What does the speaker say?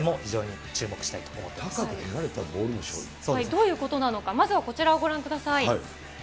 どういうことなのか、まずはこちらをご覧ください。